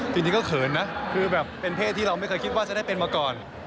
จริงก็เขินนะคือแบบเป็นเพศที่เราไม่เคยคิดว่าจะได้เป็นมาก่อน